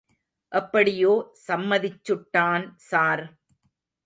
எப்படியோ சம்மதிச்சுட்டான் ஸார்.